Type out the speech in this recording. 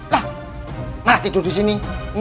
lah malah tidur disini